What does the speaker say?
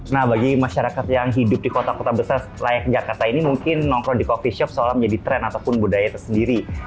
nah bagi masyarakat yang hidup di kota kota besar layaknya jakarta ini mungkin nongkrong di coffee shop seolah menjadi tren ataupun budaya tersendiri